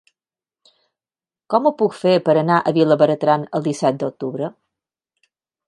Com ho puc fer per anar a Vilabertran el disset d'octubre?